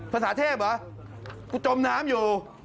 ภาษาเทพเหรอกูจมน้ำอยู่